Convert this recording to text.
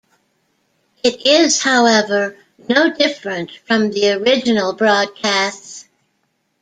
It is, however, no different from the original broadcasts.